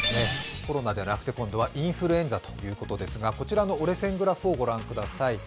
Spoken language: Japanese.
コロナじゃなくて、今度はインフルエンザということですが、こちらの折れ線グラフをご覧ください。